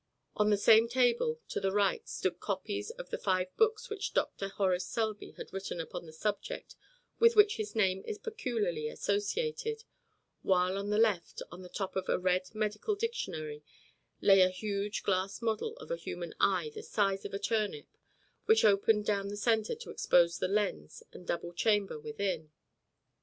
On the same table, to the right, stood copies of the five books which Dr. Horace Selby had written upon the subject with which his name is peculiarly associated, while on the left, on the top of a red medical directory, lay a huge glass model of a human eye the size of a turnip, which opened down the centre to expose the lens and double chamber within.